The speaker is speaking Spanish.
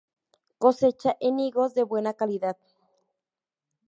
Cosecha en higos de buena calidad.